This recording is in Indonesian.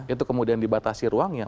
itu kemudian dibatasi ruangnya